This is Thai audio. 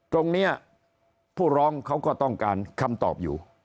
ตรงนี้ผู้ร้องเขาก็ต้องการคำตอบอยู่